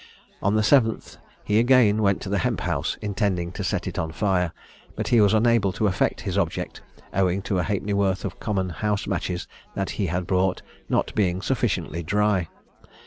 On the 7th he again went to the hemp house, intending to set it on fire; but he was unable to effect his object, owing to a halfpenny worth of common house matches that he had bought not being sufficiently dry.